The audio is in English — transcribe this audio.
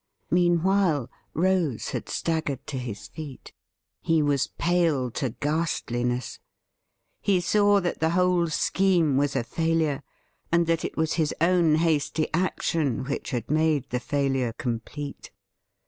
Meanwhile, Rose had staggered to his feet. He was pale to ghastliness ; he saw that the whole scheme was a failure, and that it was his own hasty action which had made the failure complete.